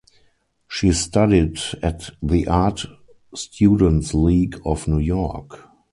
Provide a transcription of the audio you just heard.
She studied at the Art Students League of New York.